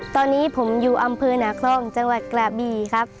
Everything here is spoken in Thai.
ตอนนี้ผมอยู่อำเภอหนาคล่องจังหวัดกระบีครับ